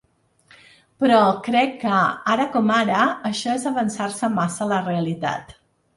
Però crec que, ara com ara, això és avançar-se massa a la realitat.